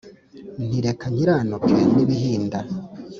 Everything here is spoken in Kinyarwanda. Nti " Reka nkiranuke n ' ibihinda,